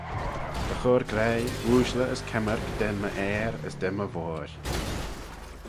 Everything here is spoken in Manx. Dy chur graih, ooashley as kemmyrk da my ayr as da my voir.